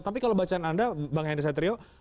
tapi kalau bacaan anda bang henry satrio